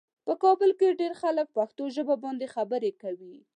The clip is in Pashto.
په کابل کې ډېر خلک پښتو ژبه باندې خبرې کوي.